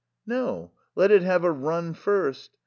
"No, let it have a run first.